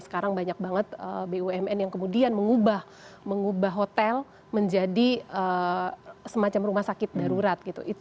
sekarang banyak banget bumn yang kemudian mengubah hotel menjadi semacam rumah sakit darurat gitu